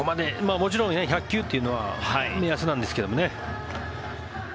もちろん１００球というのは目安なんですけどね。